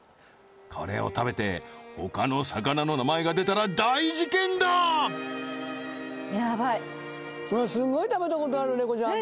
これを食べてほかの魚の名前が出たら大事件だやばい礼子ちゃん